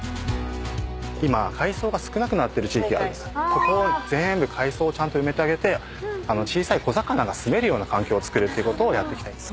そこを全部海藻をちゃんと埋めてあげて小さい小魚がすめるような環境をつくるってことをやってきて。